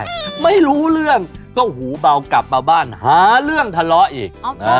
ถ้าไม่รู้เรื่องก็หูเบากลับมาบ้านหาเรื่องทะเลาะอีก